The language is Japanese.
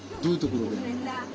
どういうところが？